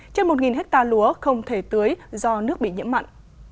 trên một hectare lúa không thể tưới do nước bị nhiễm mặn